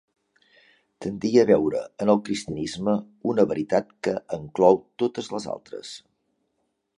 Tendia a veure en el cristianisme una veritat que enclou totes les altres.